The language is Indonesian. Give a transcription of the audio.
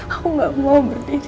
aku gak mau